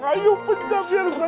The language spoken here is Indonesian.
ayo pecah biar sembuh